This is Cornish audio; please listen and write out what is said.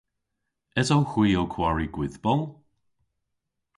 Esowgh hwi ow kwari gwydhbol?